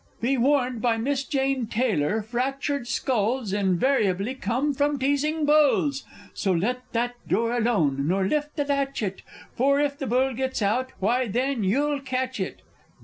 _ Be warned by Miss Jane Taylor; fractured skulls Invariably come from teasing bulls! So let that door alone, nor lift the latchet; For if the bull gets out why, then you'll catch it.